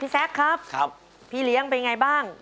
พี่แซคครับพี่เลี้ยงไปยังไงบ้าง